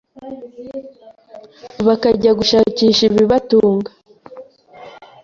bakajya gushakisha ibibatunga